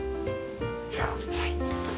じゃあ。